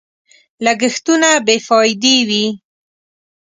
لګښتونه بې فايدې وي.